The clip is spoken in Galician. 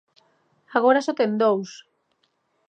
Agora só ten dous.